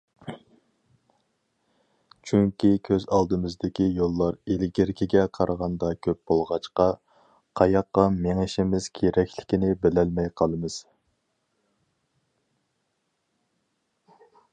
چۈنكى كۆز ئالدىمىزدىكى يوللار ئىلگىرىكىگە قارىغاندا كۆپ بولغاچقا، قاياققا مېڭىشىمىز كېرەكلىكىنى بىلەلمەي قالىمىز.